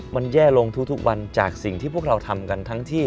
มันแย่ลงทุกวันจากสิ่งที่พวกเราทำกันทั้งที่